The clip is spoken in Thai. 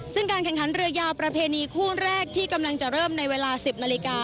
ซึ่งการแข่งขันเรือยาวประเพณีคู่แรกที่กำลังเริ่มใน๑๐น